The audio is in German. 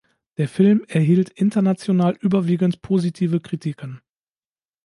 Der Film erhielt international überwiegend positive Kritiken.